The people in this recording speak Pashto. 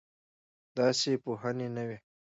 داسې پوهنې نه وې.